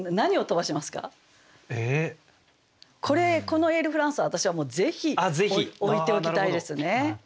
この「エールフランス」は私はもうぜひ置いておきたいですね。